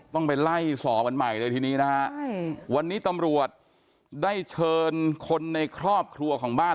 ต้องไปไล่สอบกันใหม่เลยทีนี้นะฮะวันนี้ตำรวจได้เชิญคนในครอบครัวของบ้าน